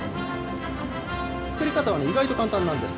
作り方は意外と簡単なんです。